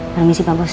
permisi pak bos